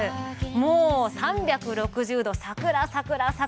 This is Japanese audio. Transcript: もう３６０度桜、桜、桜。